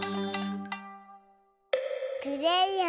くれよん。